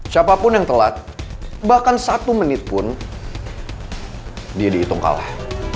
siapapun yang telat bahkan satu menit pun dia dihitung kalah